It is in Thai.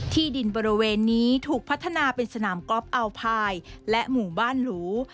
ที่ดินบริเวณนี้ถูกพัฒนาเป็นสนามกอล์อัลพายและหมู่บ้านหรู